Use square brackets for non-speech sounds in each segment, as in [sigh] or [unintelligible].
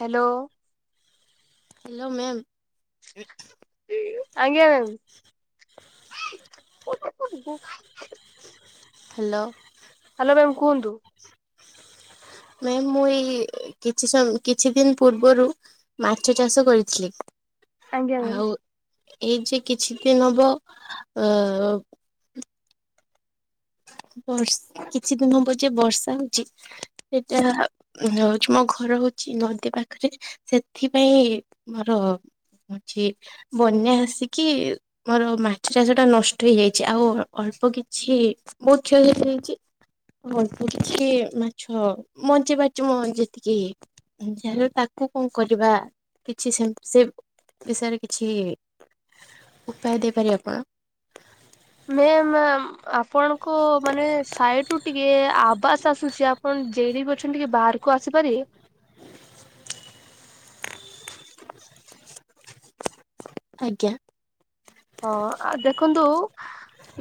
Hello. Hello ma'am. ଆଜ୍ଞା ma'am. Hello. Hello ma'am କୁହନ୍ତୁ? Ma'am ମୁଁ ଏଇ କିଛି ସମୟ କିଛି ଦିନ ପୂର୍ବରୁ ମାଛ ଚାଷ କରିଥିଲି। ଆଜ୍ଞା ମ୍ୟାମ୍। ଆଉ ଏଇଯେ କିଛି ଦିନ ହବ ଅ ବର୍ଷ କିଛି ଦିନ ହବ ଯୋଉ ବର୍ଷା ହଉଚି ସେଇଟା ହଉଚି ମୋ ଘର ହଉଚି ନଦୀ ପାଖରେ ସେଥିପାଇଁ ମୋର ହଉଚି ବନ୍ୟା ଆସିକି ମୋର ମାଛ ଚାଷଟା ନଷ୍ଟ ହେଇଯାଇଚି ଆଉ ଅଳ୍ପ କିଛି ବହୁତ୍ କ୍ଷତି ହେଇଯାଇଚି। ଅଳ୍ପ କିଛି ମାଛ ବଞ୍ଚେଇ ପାରିଚି ମୁଁ ଯେତିକି ଯାହା ହେଲେ ତାକୁ କଣ କରିବା କିଛି ସେମିତି ସେ ବିଷୟରେ କିଛି ଉପାୟ ଦେଇପାରିବେ ଆପଣ? ମେ ମ୍ୟାମ୍ ଆପଣଙ୍କ ମାନେ ସାଇଟିରୁ ଟିକେ ଆବାଜ୍ ଆସୁଚି ଆପଣ ଜେଡି କରୁଚନ୍ତିକି ବାହାରକୁ ଆସିପାରିବେ? ଆଜ୍ଞା। ହଁ ଦେଖନ୍ତୁ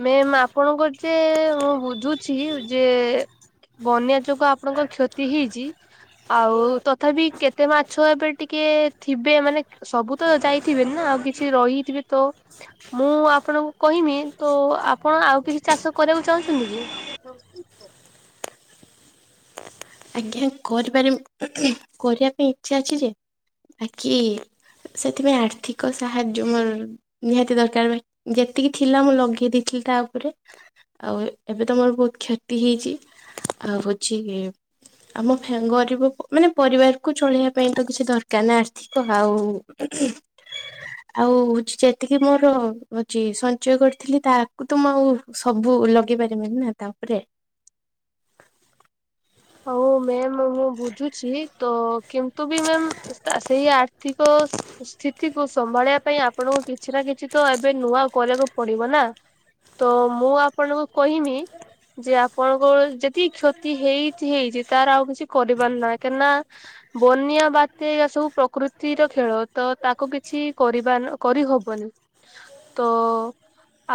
ମେମ୍ ଆପଣଙ୍କର ଯେ ମୁଁ ବୁଝୁଛି ଯେ ବନ୍ୟା ଯୋଗୁଁ ଆପଣଙ୍କ କ୍ଷତି ହେଇଛି ଆଉ ତଥାପି କେତେ ମାଛ ଏବେ ଟିକେ ଥିବେ ମାନେ ସବୁତ ଯାଇଥିବେନା ଆଉ କିଛି ରହିଥିବେ ତ ମୁଁ ଆପଣଙ୍କୁ କହିମି ତଆପଣ ଆଉ କିଛି ଚାଷ କରିବାକୁ ଚାହୁଁଛନ୍ତିକି? [unintelligible] ଆଜ୍ଞା କରିପାରିମି କରିବା ପାଇଁ ଇଚ୍ଛା ଅଛିଯେ ବାକି ସେଥିପାଇଁ ଆର୍ଥିକ ସାହାଯ୍ୟ ମୋର ନିହାତି ଦରକାର ମାନେ ଯେତିକି ଥିଲା ମୁଁଲଗେଇ ଦେଇଥିଲି ତାଉପରେ। ଆଉ ଏବେତ ମୋର ବହୁତ୍ କ୍ଷତି ହେଇଚି ଆଉ ହୋଉଚି ଆମ ଫେଗରିବ ମାନେ ପରିବାରକୁ ଚଳିବା ପାଇଁତ କିଛି ଦରକାରନା ଆର୍ଥ ଆଉ ଆଉ ହଉଚି ଯେତିକି ମୋର ହୋଉଚି ସଞ୍ଚୟ କରିଥିଲି ତାକୁତ ମୁଁଆଉ ସବୁ ଲଗେଇ ପାରିବିନିନା ତାଉପରେ। ହଉ ମ୍ୟାମ୍ ମୁଁ ବୁଝୁଛି ତ କିନ୍ତୁବି ମ୍ୟାମ୍ ସେଇ ଆର୍ଥିକ ସ୍ଥିତିକୁ ସ୍ଥିତିକୁ ସମ୍ଭାଳିବା ପାଇଁ ଆପଣଙ୍କୁ କିଛିନା କିଛିତ ଏବେ ନୂଆ କରିବାକୁ ପଡ଼ିବନା? ତମୁଁ ଆପଣଙ୍କୁ କହମି ଯେଆପଣଙ୍କ ଯେଦି କ୍ଷତି ହେଇ ତିହେଇଚି ତାର ଆଉ କିଛି କରିପାରି ନାଇଁ କାହିଁକି ନା ବନ୍ୟା ବାତ୍ୟା ସବୁ ପ୍ରକୃତିର ଖେଳ ତ ତାକୁ କିଛି କରିବାନ କରିହବନି ତ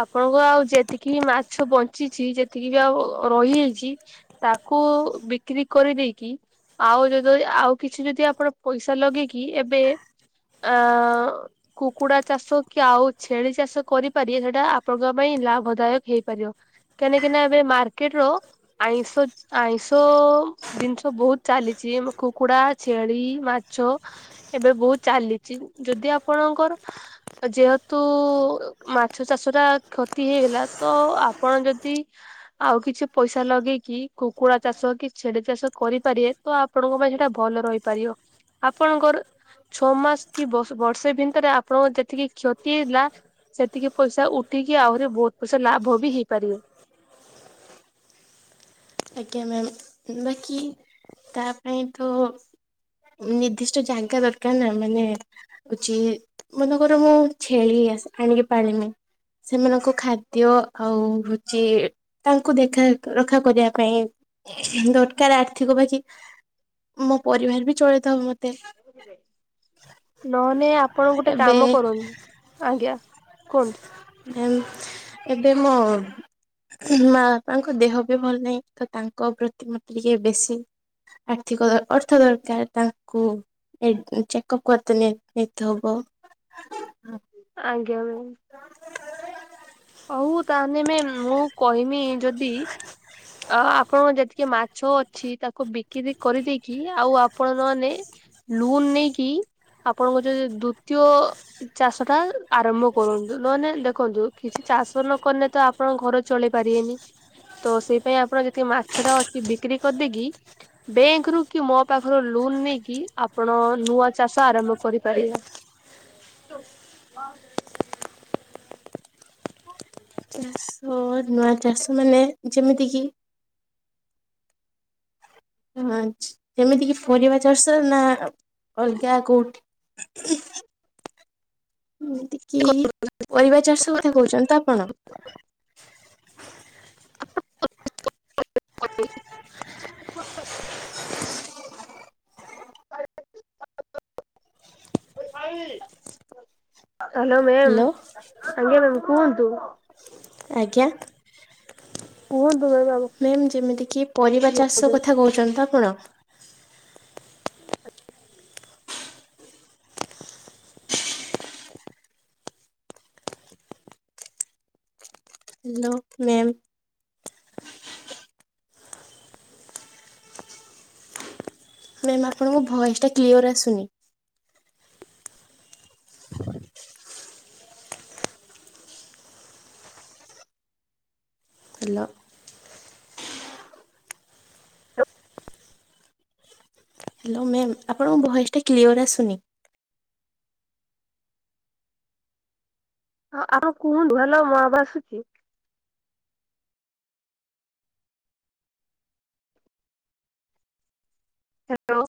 ଆପଣଙ୍କ ଆଉ ଯେତିକି ବି ମାଛ ବଞ୍ଚିଚି ଯେତିକି ବି ଆଉ ରହି ଯାଇଚି ତାକୁ ବିକ୍ରି କରି ଦେଇକି ଆଉ ଯଦି ଆଉ କିଛି ଯଦି ଆପଣ ପଇସା ଲଗେଇକି ଏବେ ଆଉ କୁକୁଡ଼ା ଚାଷ କି ଆଉ ଛେଳି ଚାଷ କରିପାରିବେ ସେଟା ଆପଣଙ୍କ ପାଇଁ ଲାଭଦାୟକ ହେଇପାରିବ। କାହିଁକି ନା ଏବେ ମାର୍କେଟ ର ଆଇଁଷ -ଆଇଁଷ୍ ତ ଜିନିଷ ବହୁତ୍ ଚାଲିଚି କୁକୁଡା, ଛେଳି, ମାଛ ଏବେ ବହୁତ୍ ଚାଲିଚି ଯଦି ଆପଣଙ୍କର ଯେହେତୁ ମାଛ ଚାଷ ଟା କ୍ଷତି ହେଇଗଲା ତ ଆପଣ ଯଦି ଆଉ କିଛି ପଇସା ଲଗେଇକି କୁକୁଡ଼ା ଚାଷ କି ଛେଳି ଚାଷ କରିପାରିବେ ତ ଆପଣଙ୍କ ପାଇଁ ସେଟା ଭଲ ରହିପାରିବ ଆପଣଙ୍କର ଛଅ ମାସ୍ କି ବର୍ଷ-ବର୍ଷେ ଭିତରେ ଆପଣଙ୍କ ଯେତିକି କ୍ଷତି ହେଇଥିଲା ସେତିକି ପଇସା ଉଠିକି ଆହୁରି ବହୁତ୍ ପଇସା ଲାଭ ବି ହେଇପାରିବ। ଆଜ୍ଞା ମ୍ୟାମ୍ ବାକି ତା ପାଇଁ ତ ନିର୍ଦ୍ଦିଷ୍ଟ ଜାଗା ଦରକାର୍ ନା ମାନେ ହେଉଚି ମନେକର ମୁଁ ଛେଳି ଆସି- ଆଣିକି ପାଳିଲି। ସେମାନଙ୍କ ଖାଦ୍ୟ ଆଉ ହେଉଚି ତାଙ୍କୁ ଦେଖା ରଖା କରିବା ପାଇଁ ଦରକାର୍ ଆର୍ଥିକ ବାକି ମୋ ପରିବାର ବି ଚଳେଇ ଦବ ମତେ। ନହଲେ ଆପଣ ଗୋଟେ ଏବେ କାମ କରନ୍ତୁ। କୁହନ୍ତୁ ଏମ୍ -ଏବେ ମ ମା ବାପାଙ୍କ ଦେହ ବି ଭଲ ନାହିଁ ତ ତାଙ୍କ ପ୍ରତି ମତେ ଟିକେ ବେଶୀ ଆର୍ଥିକ ଅର୍ଥ ଦରକାର୍ ତାଙ୍କୁ ଚେକଅପ୍ କରିତେନେ ନେଇତେ ହବ। ଆଜ୍ଞା ମ୍ୟାମ୍। କ ହଉ ତାହେଲେ ମେ-ମୁଁ କହିମି ଯଦି ଅ- ଆପଣଙ୍କ ଯେତିକି ମାଛ ଅଛି ତାକୁ ବିକିରି କରିଦେଇକି ଆଉ ଆ ଆପଣ ନହଲେ ଲୁନ୍ ନେଇକି ଆପଣଙ୍କ ଯ -ଯଉ ଦ୍ଵିତୀୟ ଚାଷ ଟା ଆରମ୍ଭ କରନ୍ତୁ ନହେଲେ ଦେଖନ୍ତୁ କିଛି ଚାଷ ନକଲେ ତ ଆପଣଙ୍କ ଘର ଚଳେଇ ପାରିବେନି ତ ସେଇ ପାଇଁ ଆପଣ ଯେତିକି ମାଛ ଟା ଅଛି ବିକ୍ରି କରିଦେଇକି ବ୍ୟାଙ୍କ୍ ରୁ କି ମୋ ପାଖରୁ ଲୋନ୍ ନେଇକି ଆପଣ ନୂଆ ଚାଷ ଆରମ୍ଭ କରିପାରିବେ। ତ ହ ଅ- ନୂଆ ଚାଷ ମାନେ ଯେମିତି କିି ଯେମିତି କିି ପରିବା ଚାଷ ନା ଅଲଗା କଉଠି ଏମତି କିି ପରିବା ଚାଷ କଥା କହୁଚନ୍ତି ତ ଆପଣ? [inaudible] [inaudible] ହ୍ୟାଲୋ ମ୍ୟାମ୍ ଆଜ୍ଞା ମ୍ୟାମ୍ କୁହନ୍ତୁ। ଆଜ୍ଞା। କୁହନ୍ତୁ [unintelligible] ମ୍ୟାମ୍ ଯେମିତିକି ପରିବା ଚାଷ କଥା କହୁଛନ୍ତି ଆପଣ? Hello ma'am. ମ୍ୟାମ୍ ଆପଣଙ୍କ ଭଏସ ଟା କ୍ଲିୟର ଆସୁନି। ହ୍ୟାଲୋ ହ୍ୟାଲୋ ଆପଣଙ୍କ ଭଏସ୍ ଟା କ୍ଲିୟର ଆସୁନି। ହ ଆପଣ କୁହନ୍ତୁ। [unintelligible]